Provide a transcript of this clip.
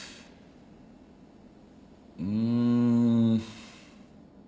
うん。